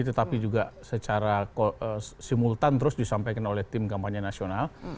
tetapi juga secara simultan terus disampaikan oleh tim kampanye nasional